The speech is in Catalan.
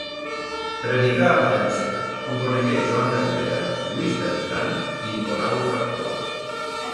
Predicà a València, on conegué Joan de Ribera, Lluís Bertran i Nicolau Factor.